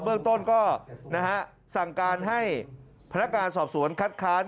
เรื่องต้นก็สั่งการให้พนักงานสอบสวนคัดค้าน